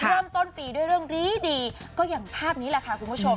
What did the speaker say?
เริ่มต้นปีด้วยเรื่องดีก็อย่างภาพนี้แหละค่ะคุณผู้ชม